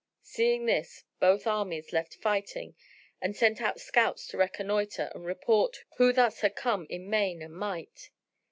Seeing this both armies left fighting and sent out scouts to reconnoitre and report who thus had come in main and might.